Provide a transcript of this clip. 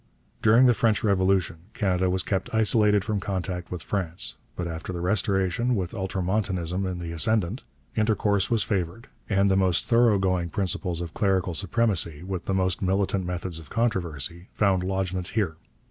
During the French Revolution Canada was kept isolated from contact with France, but after the Restoration, with ultramontanism in the ascendant, intercourse was favoured; and the most thoroughgoing principles of clerical supremacy, with the most militant methods of controversy, found lodgment here.